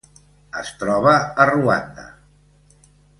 Es troba a Ruanda.